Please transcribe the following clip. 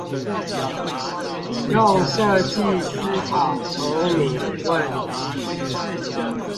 用設計思考重擬問題